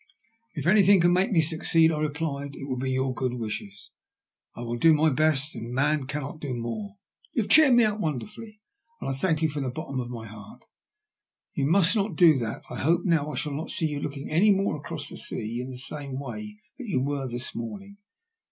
If anything can make me succeed," I replied, '' it will be your good wishes. I will do my best, and man cannot do more. You have cheered me up wonder fully, and I thank you from the bottom of my heart." You must not do that. I hope now I shall not see you looking any more across the sea in the same way that you were this morning.